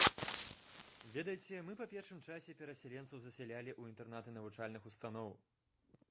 Ведаеце, мы па першым часе перасяленцаў засялялі ў інтэрнаты навучальных устаноў.